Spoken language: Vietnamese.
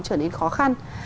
trở nên khó khăn